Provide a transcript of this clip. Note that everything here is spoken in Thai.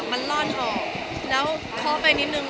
มันล่อนออกแล้วเคาะไปนิดนึง